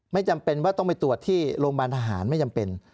จำเป็นว่าต้องไปตรวจที่โรงพยาบาลทหารไม่จำเป็น